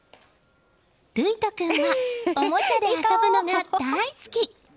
琉仁君はおもちゃで遊ぶのが大好き。